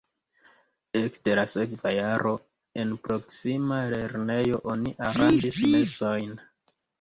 Ekde la sekva jaro en proksima lernejo oni aranĝis mesojn.